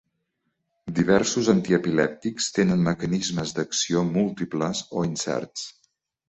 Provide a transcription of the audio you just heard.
Diversos antiepilèptics tenen mecanismes d'acció múltiples o incerts.